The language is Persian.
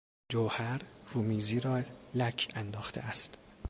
جوهر، رومیزی را لک انداخته است.